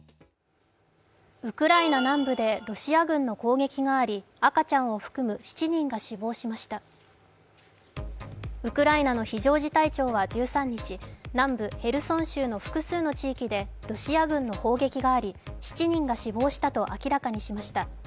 ウクライナ南部でロシア軍の攻撃があり、赤ちゃんを含む７人が死亡しましたウクライナの非常事態庁は１３日南部ヘルソン州の複数の地域でロシア軍の砲撃があり、７人が死亡したと明らかにしました。